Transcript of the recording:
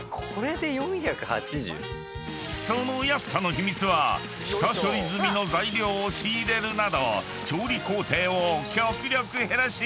［その安さの秘密は下処理済みの材料を仕入れるなど］